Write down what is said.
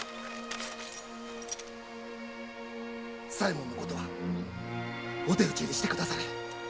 左衛門のことはお手討ちにしてくだされ。